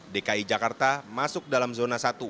dki jakarta masuk dalam zona satu